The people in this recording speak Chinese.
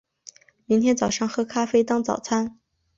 明天早上喝咖啡当早餐